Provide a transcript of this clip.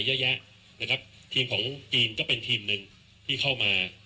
เยอะแยะนะครับทีมของจีนก็เป็นทีมหนึ่งที่เข้ามา